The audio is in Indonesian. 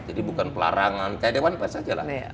jadi bukan pelarangan kayak dewan pes aja lah